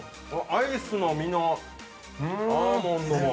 ◆アイスの実のアーモンドも。